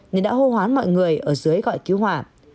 nên đã hô hoán mọi người ở dưới gọi cứu hỏa